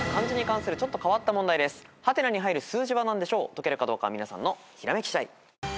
解けるかどうかは皆さんのひらめき次第。